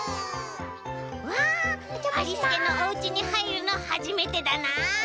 わっありすけのおうちにはいるのはじめてだな」。